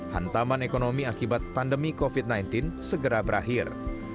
hantaman ekonomi akibat pandemi covid sembilan belas segera berakhir